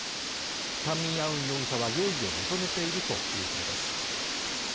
タン・ミン・アウン容疑者は容疑を認めているということです